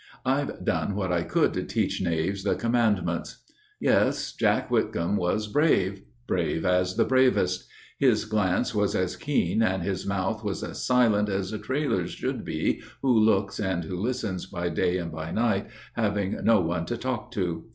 I've done what I could to teach knaves the commandments. Yes. Jack Whitcomb was brave. Brave as the bravest. His glance was as keen and his mouth was as silent As a trailer's should be who looks and who listens By day and by night, having no one to talk to.